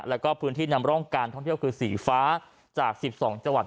แล้วก็พื้นที่นำร่องการท่องเที่ยวคือสีฟ้าจาก๑๒จังหวัด